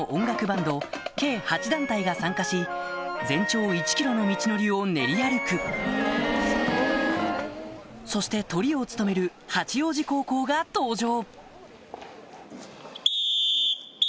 バンド全長 １ｋｍ の道のりを練り歩くそしてトリを務める八王子高校が登場